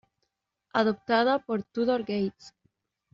Adaptada por Tudor Gates.